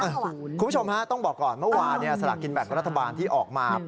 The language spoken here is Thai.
คุณผู้ชมฮะต้องบอกก่อนเมื่อวานสลากกินแบ่งรัฐบาลที่ออกมา